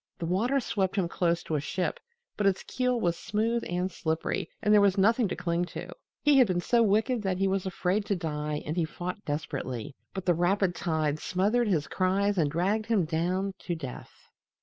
The water swept him close to a ship, but its keel was smooth and slippery and there was nothing to cling to. He had been so wicked that he was afraid to die and he fought desperately, but the rapid tide smothered his cries and dragged him down to death.